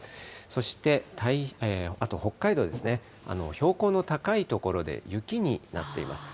そしてあと北海道ですね、標高の高い所で雪になっています。